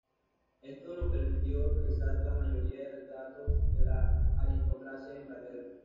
Esto le permitió realizar la mayoría de retratos de la aristocracia de Inglaterra.